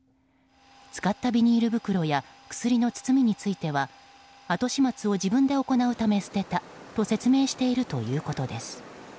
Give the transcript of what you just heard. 使ったビニール袋や薬の包みについては後始末を自分で行うため捨てたと説明しているということです。